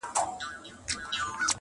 دریم یار په ځان مغرور نوم یې دولت وو!